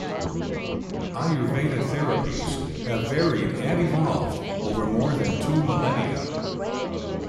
Ayurveda therapies have varied and evolved over more than two millennia.